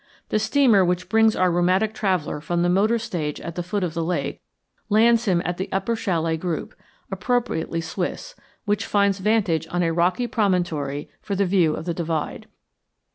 The steamer which brings our rheumatic traveller from the motor stage at the foot of the lake lands him at the upper chalet group, appropriately Swiss, which finds vantage on a rocky promontory for the view of the divide.